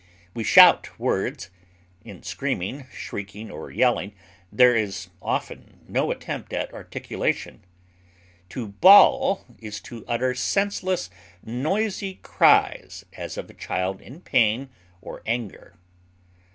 We shout words; in screaming, shrieking, or yelling there is often no attempt at articulation. To bawl is to utter senseless, noisy cries, as of a child in pain or anger.